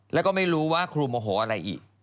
แล้วก็ไม่รู้ว่าครูโมโหอะไรอีก